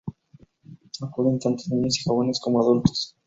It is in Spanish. Acuden tanto niños y jóvenes como adultos.